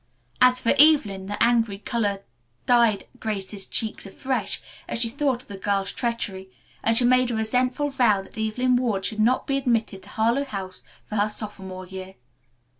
As for Evelyn, the angry color dyed Grace's cheeks afresh as she thought of the girl's treachery, and she made a resentful vow that Evelyn Ward should not be admitted to Harlowe House for her sophomore year.